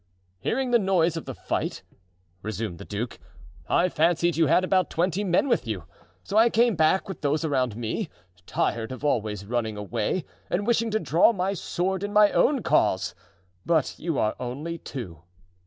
"Hearing the noise of the fight," resumed the duke, "I fancied you had about twenty men with you, so I came back with those around me, tired of always running away, and wishing to draw my sword in my own cause; but you are only two."